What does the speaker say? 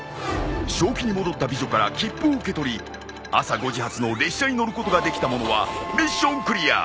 正気に戻った美女から切符を受け取り朝５時発の列車に乗ることができた者はミッションクリア。